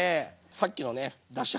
さっきのねだし